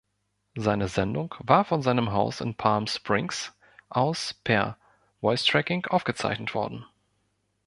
Seine Sendung war von seinem Haus in Palm Springs aus per Voice-Tracking aufgezeichnet worden.